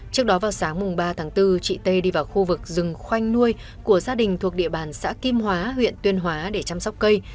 trước đó vào sáng ba tháng bốn chị tê đi vào khu vực rừng khoanh nuôi của gia đình thuộc địa bàn xã kim hóa huyện tuyên hóa để chăm sóc cây